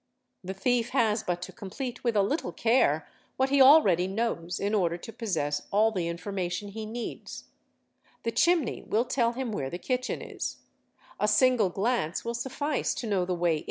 The thief has but to complete with a little care what ~ he already knows in order to possess all the information he needs; the chimney will tell him where the kitchen is; a single glance will suffice | to know the way.